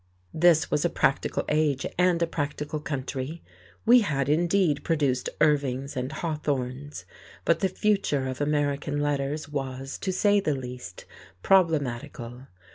This was a practical age and a practical country. We had indeed produced Irvings and Hawthornes, but the future of American letters was, to say the least, problematical.